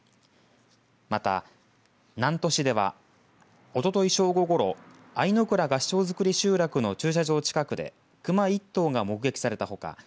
また南砺市ではおととい正午ごろ相倉合掌造り集落の駐車場近くで熊１頭が目撃されたほか